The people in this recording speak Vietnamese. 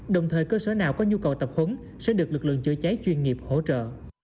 đồng thời cơ sở nào có nhu cầu tập huấn sẽ được lực lượng chữa cháy chuyên nghiệp hỗ trợ